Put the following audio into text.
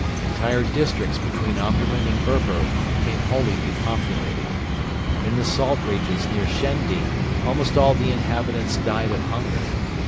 Entire districts between Omdurman and Berber became wholly depopulated. In the salt regions near Shendi almost all the inhabitants died of hunger.